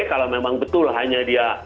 kalau memang betul hanya dia